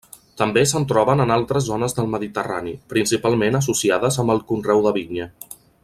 També se'n troben en altres zones del Mediterrani, principalment associades amb el conreu de vinya.